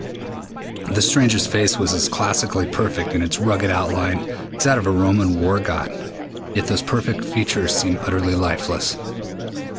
The stranger's face was as classically perfect in its rugged outline as that of a Roman war god, yet those perfect features seemed utterly lifeless.